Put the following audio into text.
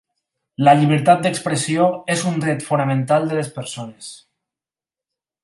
La llibertat d'expressió és un dret fonamental de les persones.